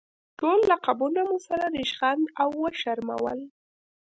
ټول لقبونه مو سره ریشخند او وشرمول.